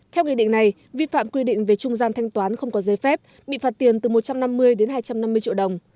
theo nghị định này vi phạm quy định về trung gian thanh toán không có giấy phép bị phạt tiền từ một trăm năm mươi đến hai trăm năm mươi triệu đồng